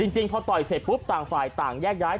จริงพอต่อยเสร็จปุ๊บต่างฝ่ายต่างแยกย้าย